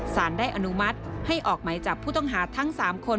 สารได้อนุมัติให้ออกไหมจับผู้ต้องหาทั้ง๓คน